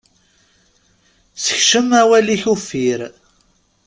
Sekcem awal-ik uffir.